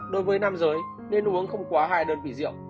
đối với nam giới nên uống không quá hai đơn vị rượu